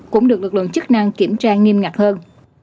cũng được lực lượng chức năng kiểm tra nghiêm ngặt hơn